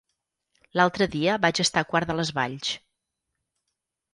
L'altre dia vaig estar a Quart de les Valls.